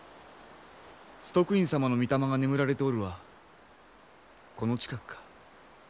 崇徳院様の御霊が眠られておるはこの近くか。